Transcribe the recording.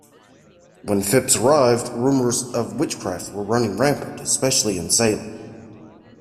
When Phips arrived, rumors of witchcraft were running rampant, especially in Salem.